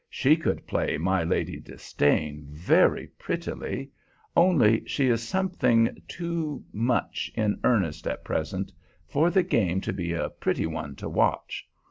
She could play my Lady Disdain very prettily, only she is something too much in earnest at present for the game to be a pretty one to watch.